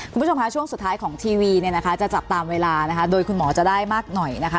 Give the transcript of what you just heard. คุณผู้ชมคะช่วงสุดท้ายของทีวีเนี่ยนะคะจะจับตามเวลานะคะโดยคุณหมอจะได้มากหน่อยนะคะ